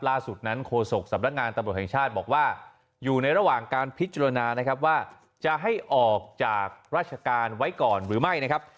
ล่าสุดนั้นโฆษกสำนักงานตำรวจแห่งชาติบอกว่าอยู่ในระหว่างการพิจารณานะครับว่าจะให้ออกจากราชการไว้ก่อนหรือไม่นะครับ